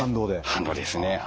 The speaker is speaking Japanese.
反動です。